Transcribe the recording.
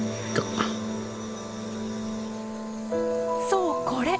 そうこれ！